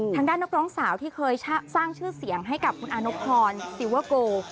ทั้งด้านนักร้องสาวที่เคยสร้างชื่อเสียงให้กับคุณอานพรซิวเวอร์กูล